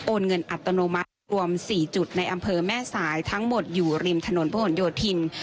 เงินอัตโนมัติรวม๔จุดในอำเภอแม่สายทั้งหมดอยู่ริมถนนพระหลโยธิน